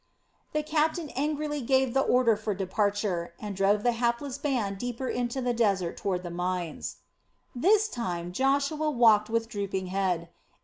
The captain angrily gave the order for departure, and drove the hapless band deeper into the desert toward the mines. This time Joshua walked with drooping head.